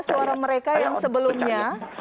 suara mereka yang sebelumnya